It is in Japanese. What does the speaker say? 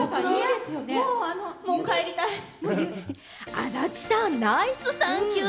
足立さん、ナイスサンキュー！